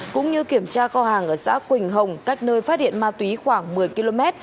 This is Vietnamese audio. cũng như kiểm tra kho hàng ở xã quỳnh hồng cách nơi phát hiện ma túy khoảng một mươi km